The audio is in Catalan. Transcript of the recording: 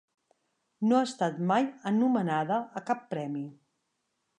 No ha estat mai anomenada a cap premi.